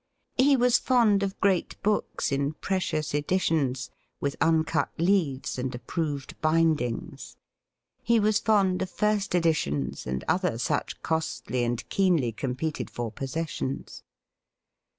He was fond of great books in precious editions, with imcut leaves and approved bindings. He was fond of first editions, and other such costly and keenly competed for possessions.